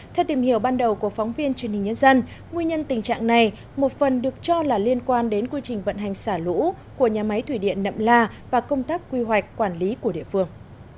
theo tìm hiểu ban đầu của phóng viên truyền hình nhân dân nguyên nhân tình trạng này một phần được cho là liên quan đến quy trình vận hành xả lũ của nhà máy thủy điện nậm la và công tác quy hoạch quản lý của địa phương